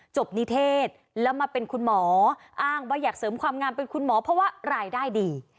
นิเทศแล้วมาเป็นคุณหมออ้างว่าอยากเสริมความงามเป็นคุณหมอเพราะว่ารายได้ดี